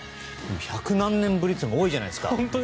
百何年ぶりというのが多いじゃないですか。